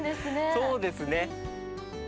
そうですね。